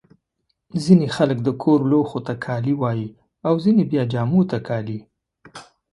ځيني خلک د کور لوښو ته کالي وايي. او ځيني بیا جامو ته کالي.